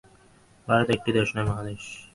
ভারত একটি দেশ নয়, মহাদেশ।